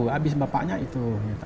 habis bapaknya itu